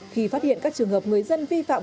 khi phát hiện các trường hợp người dân vi phạm